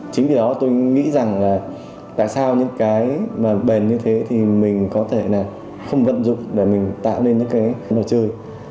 chính vì đó tôi nghĩ rằng là tại sao những cái mà bền như thế thì mình có thể là không vận dụng để mình tạo nên những cái đồ chơi